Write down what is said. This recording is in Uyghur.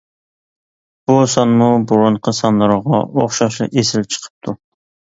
بۇ سانمۇ بۇرۇنقى سانلىرىغا ئوخشاشلا ئېسىل چىقىپتۇ.